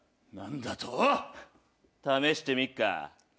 何だと⁉試してみっか？